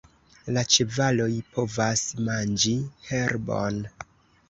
La ĉevaloj povas manĝi herbon.